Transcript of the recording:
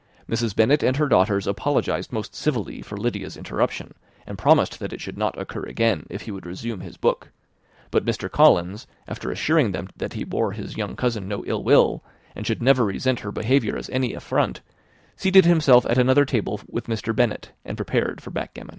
Mrs. Bennet and her daughters apologized most civilly for Lydia's interruption, and promised that it should not occur again, if he would resume his book; but Mr. Collins, after assuring them that he bore his young cousin no ill will, and should never resent her behaviour as any affront, seated himself at another table with Mr. Bennet, and prepared for backgammon.